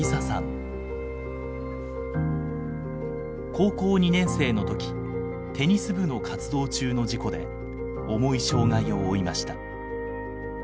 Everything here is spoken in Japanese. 高校２年生の時テニス部の活動中の事故で重い障害を負いました。